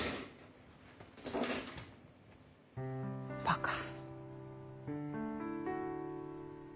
バカ。